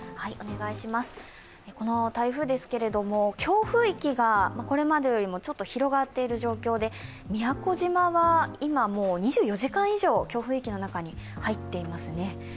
この台風ですけれども、強風域がこれまでよりもちょっと広がっている状況で宮古島は今、２４時間以上、強風域の中に入っていますね。